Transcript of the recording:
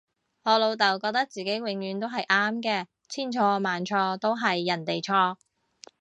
我老竇覺得自己永遠都係啱嘅，千錯萬錯都係人哋錯